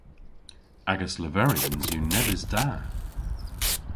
Agas leveryans yw nebes da.